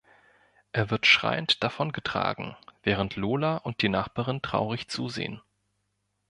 Er wird schreiend davongetragen, während Lola und die Nachbarin traurig zusehen.